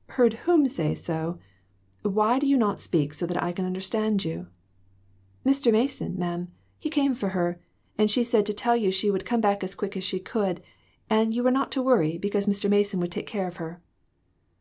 " Heard whom say so? Why do you not speak so that I can understand you?" "Mr. Mason, ma'am he came for her; and she said to tell you she would come back as quick as she could ; and you were not to worry, because Mr. Mason would take care of her."